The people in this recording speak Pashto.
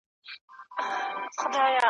ما دي دغه ورځ په دوو سترګو لیدله ,